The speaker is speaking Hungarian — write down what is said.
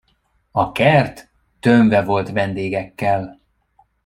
A kert tömve volt vendégekkel.